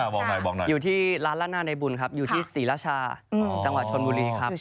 บอกหน่อยบอกหน่อยอยู่ที่ร้านละนาดในบุญครับอยู่ที่ศรีราชาจังหวัดชนบุรีครับ